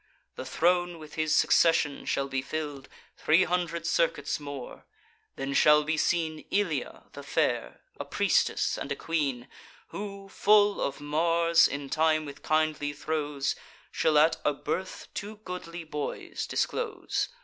The throne with his succession shall be fill'd Three hundred circuits more: then shall be seen Ilia the fair, a priestess and a queen, Who, full of Mars, in time, with kindly throes, Shall at a birth two goodly boys disclose.